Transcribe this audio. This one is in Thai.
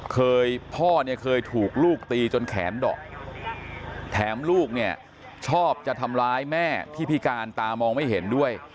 พ่อเนี่ยเคยถูกลูกตีจนแขนดอกแถมลูกเนี่ยชอบจะทำร้ายแม่ที่พิการตามองไม่เห็นด้วย